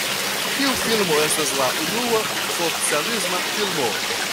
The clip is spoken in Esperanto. Tiu filmo estas la unua "socialisma filmo".